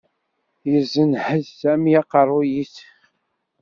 Yessenhez Sami aqerruy-is.